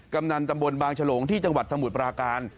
กำนันตำบลบางฉลงที่จังหวัดสมุทรปราการ